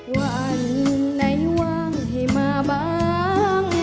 วันไหนว่างให้มาบ้าง